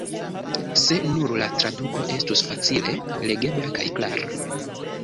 Se nur la traduko estus facile legebla kaj klara.